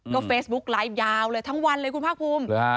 เฟซบุ๊กไลฟ์ยาวเลยทั้งวันเลยคุณภาคภูมิ